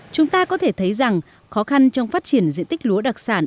chúng ta có thể thấy rằng khó khăn trong phát triển diện tích lúa đặc sản